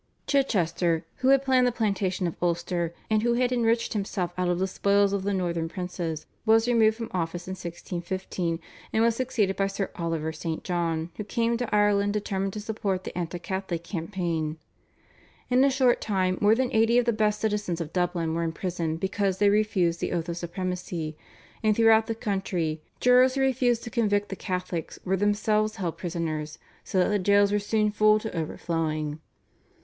" Chichester, who had planned the Plantation of Ulster, and who had enriched himself out of the spoils of the Northern princes, was removed from office in 1615, and was succeeded by Sir Oliver St. John, who came to Ireland determined to support the anti Catholic campaign. In a short time more than eighty of the best citizens of Dublin were in prison because they refused the oath of supremacy, and throughout the country, jurors who refused to convict the Catholics were themselves held prisoners, so that the jails were soon full to overflowing.